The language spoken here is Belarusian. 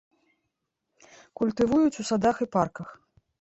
Культывуюць у садах і парках.